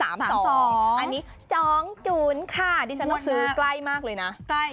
อันนี้จองจุ้นค่ะดินพ่อซื้อใกล้มากเลยนะ